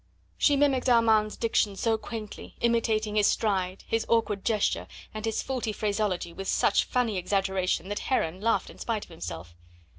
'" She mimicked Armand's diction so quaintly, imitating his stride, his awkward gesture, and his faulty phraseology with such funny exaggeration that Heron laughed in spite of himself.